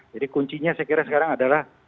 jadi kuncinya saya kira sekarang adalah